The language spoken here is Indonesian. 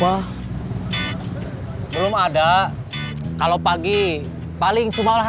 achievement halis menguangani kemimpin anginnya gliung itu punya uang bebel